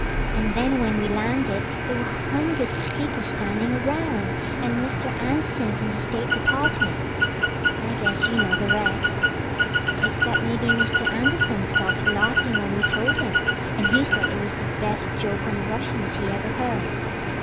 And then when we landed there were hundreds of people standing around, and Mr. Anderson from the State Department. I guess you know the rest. Except maybe Mr. Anderson started laughing when we told him, and he said it was the best joke on the Russians he ever heard.